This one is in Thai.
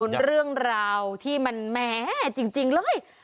เป็นเรื่องราวที่มันแหมจริงเลย